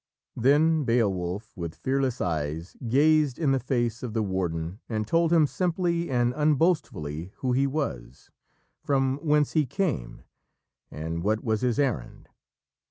Then Beowulf, with fearless eyes, gazed in the face of the warden and told him simply and unboastfully who he was, from whence he came, and what was his errand.